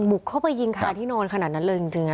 บุกเข้าไปยิงคาที่นอนขนาดนั้นเลยจริง